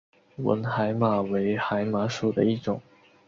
吻海马为海马属的一种。